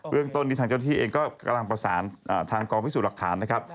เรื่องต้นนี้ทางเจ้าที่เองก็กำลังประสานทางกองพิสูจน์หลักฐานนะครับ